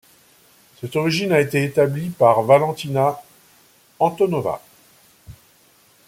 Cette origine a été établie par Valentina Antonova.